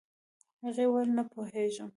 هغې وويل نه پوهيږم.